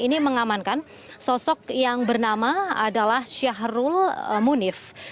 ini mengamankan sosok yang bernama adalah syahrul munif